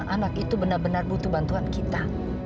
anak itu benar benar butuh bantuan kita